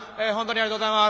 ありがとうございます！